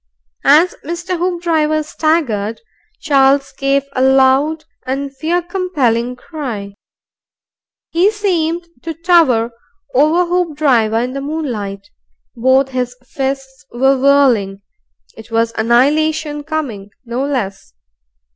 As Mr. Hoopdriver staggered, Charles gave a loud and fear compelling cry. He seemed to tower over Hoopdriver in the moonlight. Both his fists were whirling. It was annihilation coming no less.